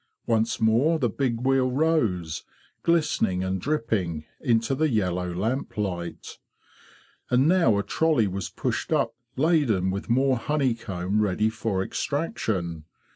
Once more the big wheel rose, glistening and dripping, into the yellow lamplight. And now a trolley was pushed up laden with more honeycomb ready for extraction.